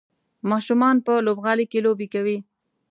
ماشومان په لوبغالي کې لوبې کوي.